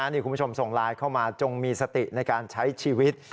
นี่คุณผู้ชมส่งไลน์เข้ามาจงมีสติในการใช้ชีวิต